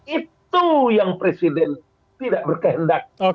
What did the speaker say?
itu yang presiden tidak berkehendak